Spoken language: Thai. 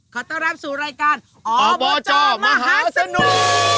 ขอต้อนรับสู่รายการอบจมหาสนุก